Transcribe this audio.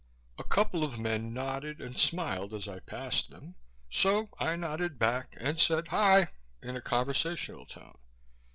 A couple of men nodded and smiled as I passed them, so I nodded back and said, "Hi!" in a conversational tone.